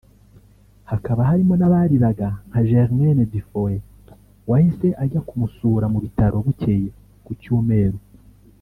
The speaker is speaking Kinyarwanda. hakaba harimo n’abariraga nka Germaine Defoe wahise ajya no kumusura mu bitaro bukeye ku cyumeru